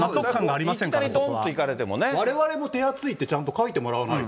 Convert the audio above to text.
いきなりどんっていかれてもわれわれも手厚ってちゃんと書いてもらわないと。